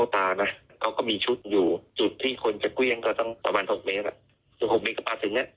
ถ้ามันอยู่ใกล้มากมันแรงมากนะครับก็ไม่ง่ายอันตราย